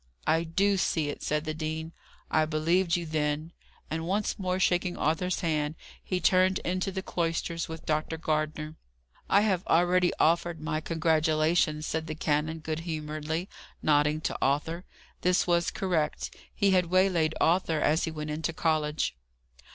"I do see it," said the dean. "I believed you then." And once more shaking Arthur's hand, he turned into the cloisters with Dr. Gardner. "I have already offered my congratulations," said the canon, good humouredly, nodding to Arthur. This was correct. He had waylaid Arthur as he went into college.